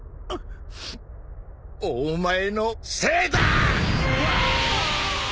お前のせいだぁ！！